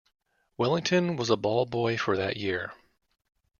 Wellington was a ball boy for that year.